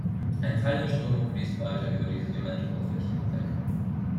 Ein Teil der Strömung fließt weiter über die Sedimentoberfläche hinweg.